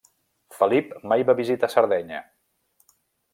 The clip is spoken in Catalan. Felip mai va visitar Sardenya.